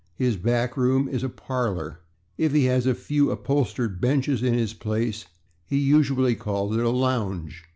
His back room is a /parlor/. If he has a few upholstered benches in his place he usually calls it a /lounge